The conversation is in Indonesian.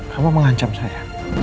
kamu mengancam saya